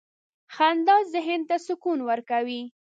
• خندا ذهن ته سکون ورکوي.